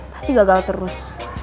pasti gagal terus